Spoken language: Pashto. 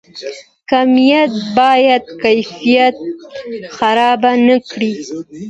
کمیت باید کیفیت خراب نکړي؟